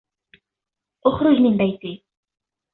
اخرج من بيتي.